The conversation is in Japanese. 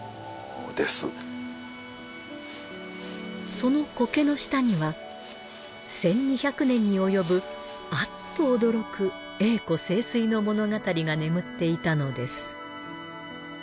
その苔の下には１，２００年に及ぶあっと驚く栄枯盛衰の物語が眠っていたのです。